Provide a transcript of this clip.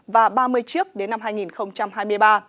và ba mươi chiếc đến năm hai nghìn hai mươi ba